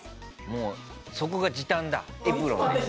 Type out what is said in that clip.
もうそこが時短だエプロンで。